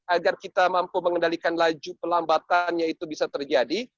agar kita mampu mengendalikan laju pelambatannya itu bisa terjadi